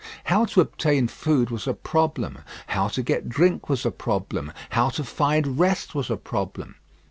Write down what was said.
How to obtain food was a problem; how to get drink was a problem; how to find rest was a problem.